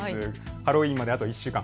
ハロウィーンまであと１週間。